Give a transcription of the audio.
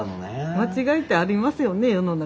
間違いってありますよね世の中。